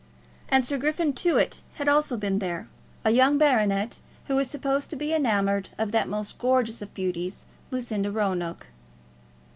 And Sir Griffin Tewett had also been there, a young baronet who was supposed to be enamoured of that most gorgeous of beauties, Lucinda Roanoke.